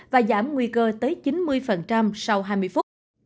và giảm nguy cơ tới chín mươi sau hai mươi phút